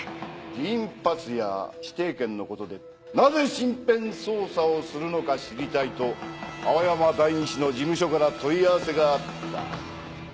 議員パスや指定券のことでなぜ身辺捜査をするのか知りたいと青山代議士の事務所から問い合わせがあった。